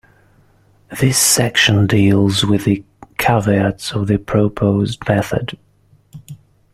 This section deals with the caveats of the proposed method.